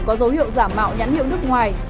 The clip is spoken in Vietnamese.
có dấu hiệu giảm mạo nhãn hiệu nước ngoài